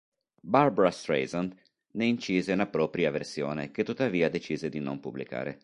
Barbra Streisand ne incise una propria versione che tuttavia decise di non pubblicare.